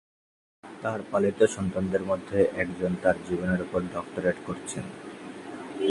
তার পালিত সন্তানদের মধ্যে একজন তার জীবনের ওপর ডক্টরেট করছেন।